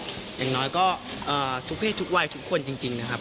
อย่างน้อยก็ทุกเพศทุกวัยทุกคนจริงนะครับ